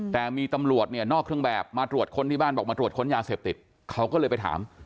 แต่มีตำรวจนอกเครื่องแบบมาตรวจคนในบ้านเขาก็เลยไปถาม